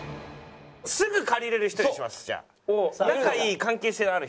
すぐ借りれる人にしますじゃあ。